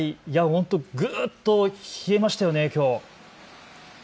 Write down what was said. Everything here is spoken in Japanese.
本当、ぐっと冷えましたよね、きょう。